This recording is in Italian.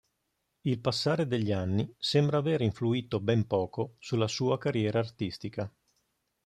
Il passare degli anni sembra aver influito ben poco sulla sua carriera artistica.